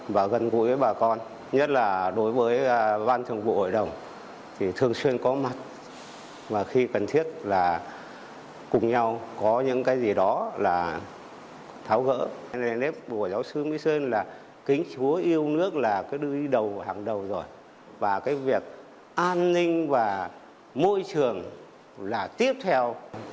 và cái việc an ninh và môi trường là tiếp theo